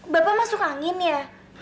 bapak masuk angin ya